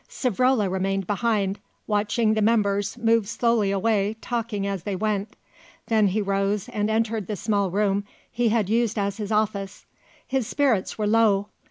Savrola remained behind, watching the members move slowly away talking as they went. Then he rose and entered the small room he had used as his office. His spirits were low.